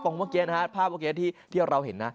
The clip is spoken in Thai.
ตรงนี้ภาพบังเกียร์ที่เราเห็นนะ